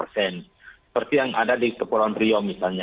seperti yang ada di kepulauan rio misalnya